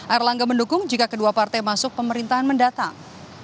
erlangga mendukung jika kedua partai masuk pemerintahan mendatang